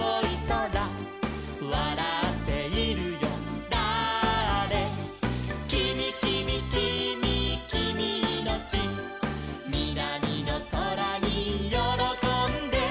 「わらっているよだあれ」「きみきみきみきみいのち」「みなみのそらによろこんで」